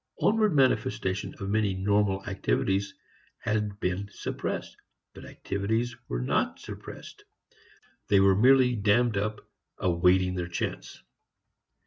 Outward manifestation of many normal activities had been suppressed. But activities were not suppressed. They were merely dammed up awaiting their chance.